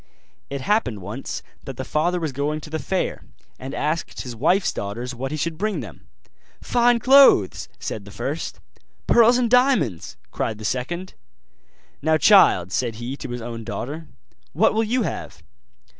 It happened once that the father was going to the fair, and asked his wife's daughters what he should bring them. 'Fine clothes,' said the first; 'Pearls and diamonds,' cried the second. 'Now, child,' said he to his own daughter, 'what will you have?